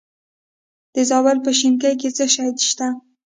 د زابل په شنکۍ کې څه شی شته؟